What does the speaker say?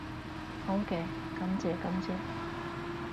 好嘅，感謝感謝